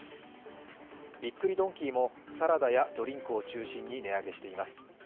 びっくりドンキーもサラダやドリンクを中心に値上げしています。